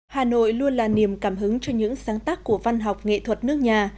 hà nội luôn là niềm cảm hứng cho những sáng tác của văn học nghệ thuật nước nhà